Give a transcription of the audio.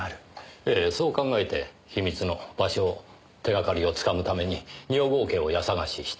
ええそう考えて秘密の場所を手掛かりをつかむために二百郷家を家捜しした。